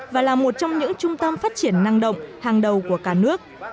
và là một trong những trung tâm phát triển năng động hàng đầu của cả nước